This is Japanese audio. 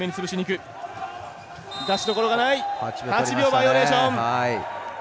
８秒バイオレーション！